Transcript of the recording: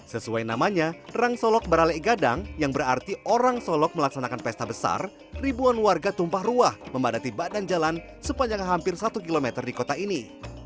sesuai namanya rang solok barale gadang yang berarti orang solok melaksanakan pesta besar ribuan warga tumpah ruah memadati badan jalan sepanjang hampir satu km di kota ini